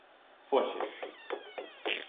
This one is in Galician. Foxe.